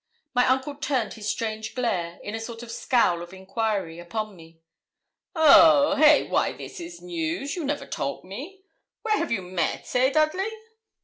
My uncle turned his strange glare, in a sort of scowl of enquiry, upon me. 'Oh! hey! why this is news. You never told me. Where have you met eh, Dudley?'